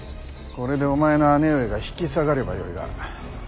これでお前の姉上が引き下がればよいが。